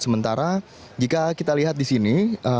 sementara jika kita lihat di sini